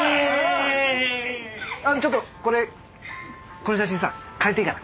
ちょっとこれこの写真さ借りていいかな？